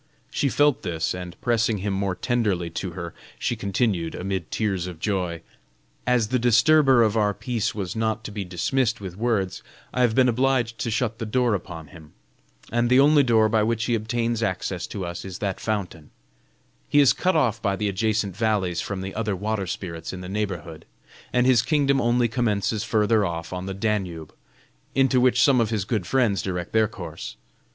She felt this, and pressing him more tenderly to her, she continued amid tears of joy: "As the disturber of our peace was not to be dismissed with words, I have been obliged to shut the door upon him. And the only door by which he obtains access to us is that fountain. He is cut off by the adjacent valleys from the other water spirits in the neighborhood, and his kingdom only commences further off on the Danube, into which some of his good friends direct their course.